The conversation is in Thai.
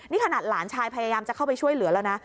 นี่ขนาดหลานชายพยายามจะเข้าไปช่วยเหลือแล้วนะ